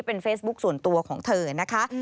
เป็นเฟซบุ๊คส่วนตัวของเธอนะคะ